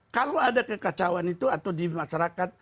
kalau ada kekacauan itu atau di masyarakat